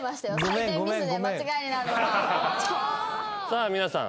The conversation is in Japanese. さあ皆さん